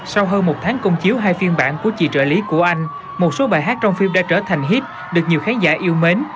sau hơn một tháng công chiếu hai phiên bản của chị trợ lý của anh một số bài hát trong phim đã trở thành hiếp được nhiều khán giả yêu mến